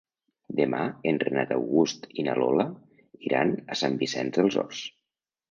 Demà en Renat August i na Lola iran a Sant Vicenç dels Horts.